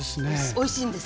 おいしいんです。